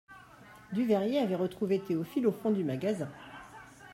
Duveyrier avait retrouvé Théophile au fond du magasin.